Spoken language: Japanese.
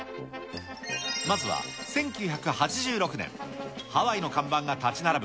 まずは１９８６年、ハワイの看板が立ち並ぶ